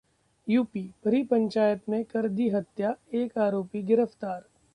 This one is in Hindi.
यूपीः भरी पंचायत में कर दी हत्या, एक आरोपी गिरफ्तार